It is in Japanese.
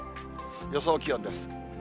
予想気温です。